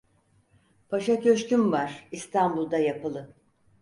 Paşa köşküm var İstanbul'da yapılı.